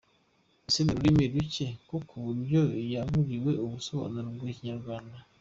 Ese n’ururimi ruke ku buryo yaburiwe ubusobanuro mu Kinyarwanda?